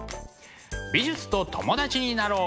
美術と友達になろう！